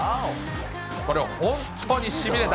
これ、本当にしびれた。